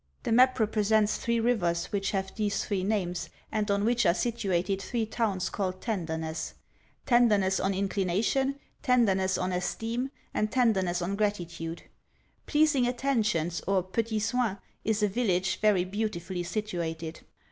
The map represents three rivers, which have these three names, and on which are situated three towns called Tenderness: Tenderness on Inclination; Tenderness on Esteem; and Tenderness on Gratitude. Pleasing Attentions, or, Petits Soins, is a village very beautifully situated.